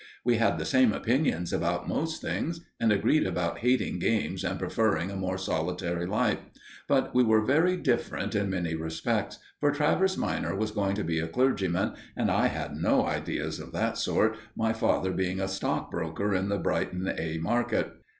We had the same opinions about most things, and agreed about hating games and preferring a more solitary life; but we were very different in many respects, for Travers minor was going to be a clergyman, and I had no ideas of that sort, my father being a stock broker in the "Brighton A" market.